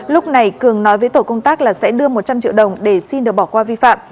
lúc này cường nói với tổ công tác là sẽ đưa một trăm linh triệu đồng để xin được bỏ qua vi phạm